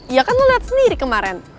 iya kan lo liat sendiri kemarin